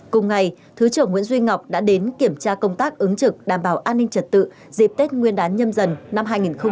cùng ngày thứ trưởng nguyễn duy ngọc đã đến kiểm tra công tác ứng trực đảm bảo an ninh trật tự dịp tết nguyên đán nhâm dần năm hai nghìn hai mươi bốn